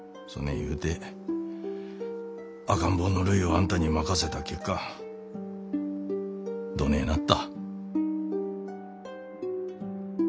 言うて赤ん坊のるいをあんたに任せた結果どねえなった？